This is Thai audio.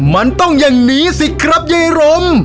มันต้องยังหนีสิครับไอโรม